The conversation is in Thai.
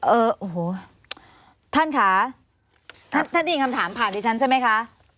เออโอ้โหท่านค่ะท่านได้ยินคำถามผ่านดิฉันใช่ไหมคะ